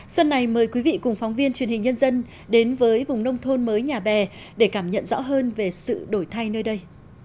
xuân này mời quý vị cùng phóng viên truyền hình nhân dân đến với vùng nông thôn mới nhà bè để cảm nhận rõ hơn về sự đổi thay nơi đây